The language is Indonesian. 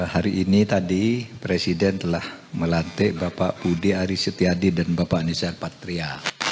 hari ini tadi presiden telah melantik bapak budi aris setiadi dan bapak anissa patria